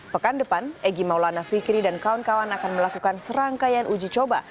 pekan depan egy maulana fikri dan kawan kawan akan melakukan serangkaian uji coba